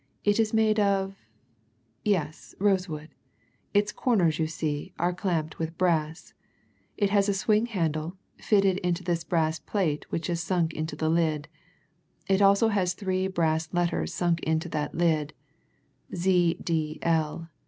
It is made of yes, rosewood. Its corners, you see, are clamped with brass. It has a swing handle, fitted into this brass plate which is sunk into the lid. It has also three brass letters sunk into that lid Z. D. L.